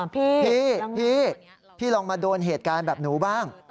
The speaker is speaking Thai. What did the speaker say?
พี่พี่ลองมาโดนเหตุการณ์แบบหนูบ้าง